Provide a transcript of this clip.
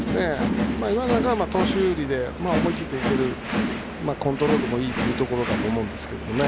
今のは投手有利で思い切っていけてコントロールもいいというところだと思いますけどね。